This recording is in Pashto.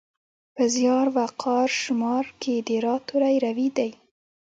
په زیار، وقار، شمار کې د راء توری روي دی.